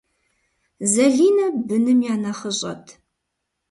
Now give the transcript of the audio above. Залинэ быным я нэхъыщӏэт.